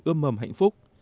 ươm mầm hạnh phúc